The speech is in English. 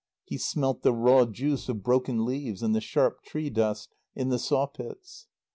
He smelt the raw juice of broken leaves and the sharp tree dust in the saw pits.